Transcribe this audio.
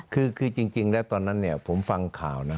คือจริงแล้วตอนนั้นเนี่ยผมฟังข่าวนะ